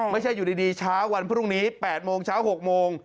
ไม่ใช่อยู่ดีเช้าวันพรุ่งนี้๘โมงเช้า๖โมง